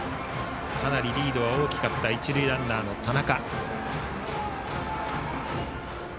かなりリードが大きかった一塁ランナーの田中。